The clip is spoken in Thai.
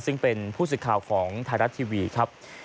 ซึ่งเป็นผู้สื่อข่าวของไทยรัฐทีวีครับ